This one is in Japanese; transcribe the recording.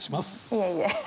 いえいえ。